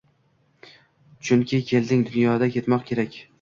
Chun ki kelding dunyoya – ketmoq kerak